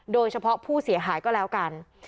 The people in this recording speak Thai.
โดยเฉพาะผู้เสียหายก็แล้วกัน